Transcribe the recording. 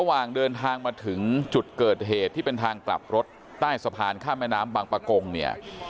ระหว่างเดินทางมาถึงจุดเกิดเหตุที่เป็นทางกลับรถใต้สะพานข้ามแม่น้ำบางประกงเนี่ย